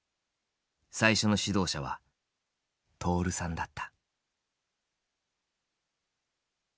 最初の指導者は徹さんだった。